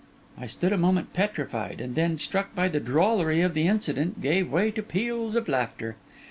I stood a moment petrified, and then, struck by the drollery of the incident, gave way to peals of laughter.